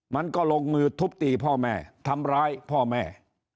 มันก็ลงมือทุบตีพ่อแม่ทำร้ายพ่อแม่